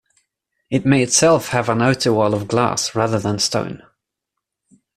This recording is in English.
It may itself have an outer wall of glass rather than stone.